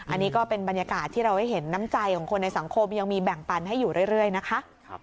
อันนี้ก็เป็นบรรยากาศที่เราได้เห็นน้ำใจของคนในสังคมยังมีแบ่งปันให้อยู่เรื่อยนะคะ